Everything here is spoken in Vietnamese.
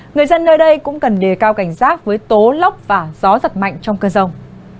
người dân nơi đây cũng cần đề cao cảnh giác với tố lốc và gió giật mạnh trong cơn rông